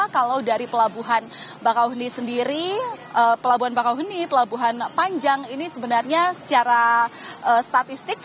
kalau dari pelabuhan bakauheni sendiri pelabuhan bakauheni pelabuhan panjang ini sebenarnya secara statistik